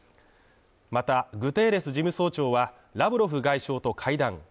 また、グテーレス事務総長はラブロフ外相と会談。